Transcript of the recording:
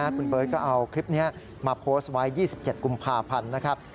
คุณเบิร์ตก็เอาคลิปนี้มาโพสต์ไว้๒๗กุมภาพันธ์นะครับ